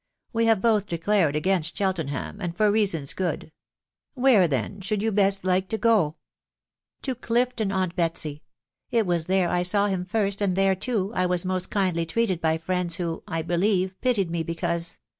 We have both declared against Cheltenham, and for reasons good .... Where then should you best like to go ?"" To Clifton, aunt Betsy !.... It was there I saw him first, and there, too, I was most kindly treated by friends who, I believe, pitied me because